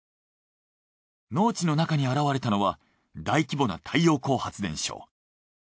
農地の中に現れたのは大規模な太陽光発電所。